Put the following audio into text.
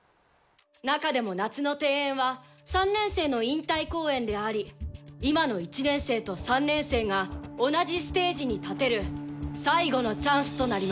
中でも夏の定演は３年生の引退公演であり今の１年生と３年生が同じステージに立てる最後のチャンスとなります。